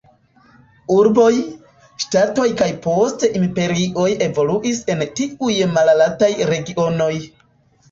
Urboj, ŝtatoj kaj poste imperioj evoluis en tiuj malaltaj regionoj.